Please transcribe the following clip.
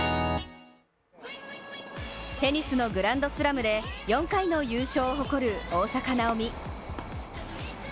テニスのグランドスラムで４回の優勝を誇る大坂なおみ。